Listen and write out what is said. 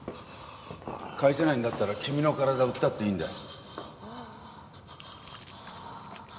返せないんだったら君の体売ったっていいんだよ。